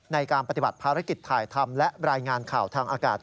ในการปฏิบัติภารกิจถ่ายทำและรายงานข่าวทางอากาศ